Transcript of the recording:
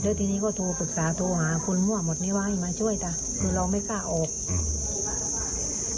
แล้วทีนี้ก็โทรปรึกษาโทรหาคนมั่วหมดนี้ว่าให้มาช่วยจ้ะคือเราไม่กล้าออกอืม